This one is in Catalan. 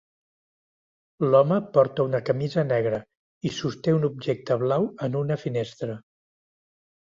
L'home porta una camisa negra i sosté un objecte blau en una finestra.